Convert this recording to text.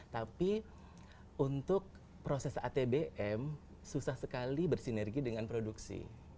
tapi untuk proses atbm susah sekali bersinergi dengan produksi